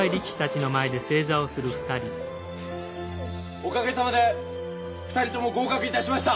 おかげさまで２人とも合格いたしました。